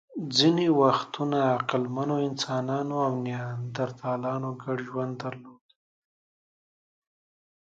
ځینې وختونه عقلمنو انسانانو او نیاندرتالانو ګډ ژوند درلود.